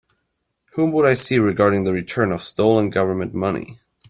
Whom would I see regarding the return of stolen Government money?